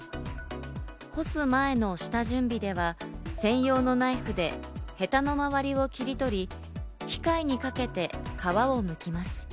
干す前の下準備では専用のナイフでヘタの周りを切り取り、機械にかけて皮をむきます。